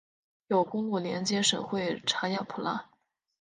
有公路连接省会查亚普拉。